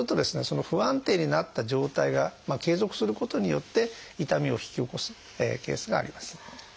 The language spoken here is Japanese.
その不安定になった状態が継続することによって痛みを引き起こすケースがあります。